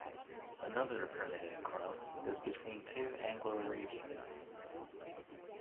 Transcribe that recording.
Another permitted cross is between two Anglo-Arabians.